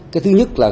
cái thứ nhất là